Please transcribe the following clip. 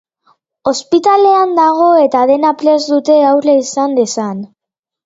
Ospitalean dago eta dena prest dute haurra izan dezan.